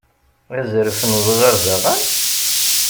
Azref n udɣar d aɣan?